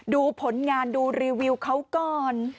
ดูผลงานดูรีวิวเขาก่อน